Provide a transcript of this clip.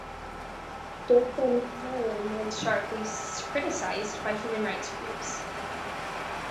Dostum's column was sharply criticised by human rights groups.